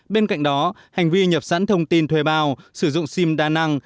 bên cạnh đó hành vi nhập sẵn thông tin thuê bao sử dụng sim đa năng